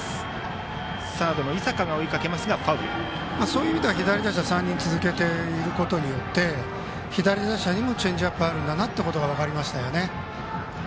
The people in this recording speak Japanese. そういう意味では左打者を３人続けていることで左打者にもチェンジアップがあるんだなということが分かりましたよね。